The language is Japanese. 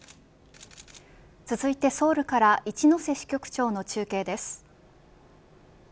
続いてソウルから一之瀬支局長の中継です。